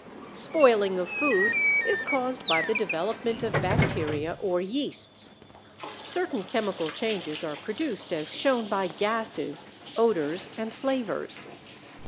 Spoiling of food is caused by the development of bacteria or yeasts. Certain chemical changes are produced as shown by gases, odors, and flavors.